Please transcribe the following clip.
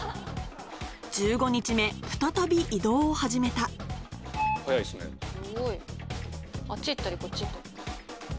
１５日目再び移動を始めたすごいあっち行ったりこっち行ったり。